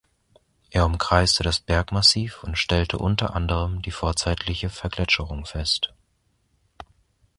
Er umkreiste das Bergmassiv und stellte unter anderem die vorzeitliche Vergletscherung fest.